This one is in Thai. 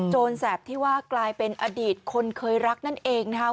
แสบที่ว่ากลายเป็นอดีตคนเคยรักนั่นเองนะคะ